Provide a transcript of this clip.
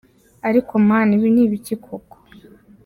Ariko Mana ibi ni ibiki koko?????.